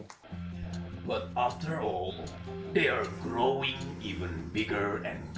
tapi setelah itu mereka semakin besar dan besar